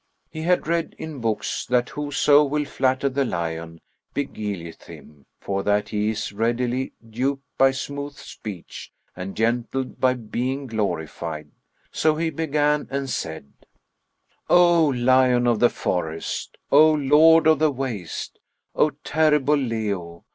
He had read in books that whoso will flatter the lion, beguileth him,[FN#45] for that he is readily duped by smooth speech and gentled by being glorified; so he began and said, "O Lion of the forest! O Lord of the waste! O terrible Leo!